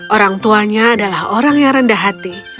orang tuanya adalah orang yang rendah hati